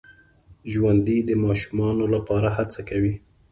ژوندي د ماشومانو لپاره هڅه کوي